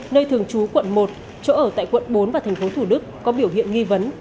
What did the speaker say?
nơi thường trú quận một chỗ ở tại quận bốn và tp hcm có biểu hiện nghi vấn